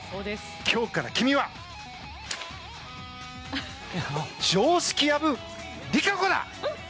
今日から君は、常識破りかこだ！